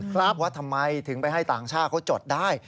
ว่าทำไมถึงไปให้ต่างชาติเขาจดได้